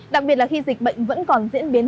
đặc biệt là khi dịch bệnh vẫn còn diễn biến